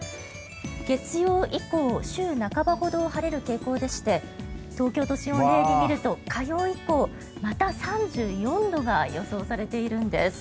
月曜以降、週半ばほど晴れる傾向でして東京都心を例で見ると火曜以降また３４度が予想されているんです。